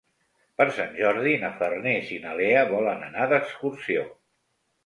Per Sant Jordi na Farners i na Lea volen anar d'excursió.